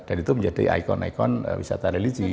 dan itu menjadi ikon ikon wisata religi